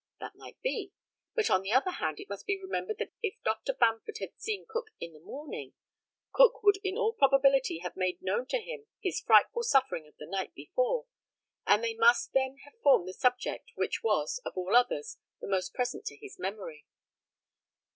That might be. But on the other hand it must be remembered that if Dr. Bamford had seen Cook in the morning, Cook would in all probability have made known to him his frightful suffering of the night before, as they must then have formed the subject which was, of all others, the most present to his memory.